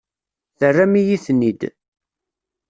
Terram-iyi-ten-id.